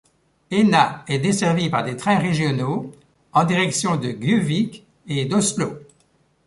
Eina est desservie par des trains régionaux en direction de Gjøvik et d'Oslo.